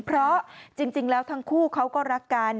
เพราะจริงแล้วทั้งคู่เขาก็รักกัน